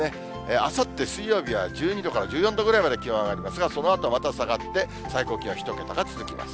あさって水曜日は１２度から１４度ぐらいまで気温上がりますが、そのあとまた下がって、最高気温１桁が続きます。